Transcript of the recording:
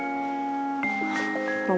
ya sudah pak